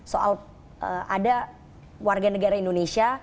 soal ada warga negara indonesia